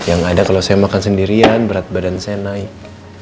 yang ada kalau saya makan sendirian berat badan saya naik